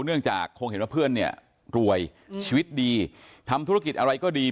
เนื่องจากคงเห็นว่าเพื่อนเนี่ยรวยชีวิตดีทำธุรกิจอะไรก็ดี